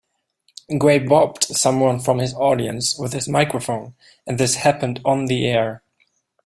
Gray bopped someone from his audience with his microphone, and this happened on the air.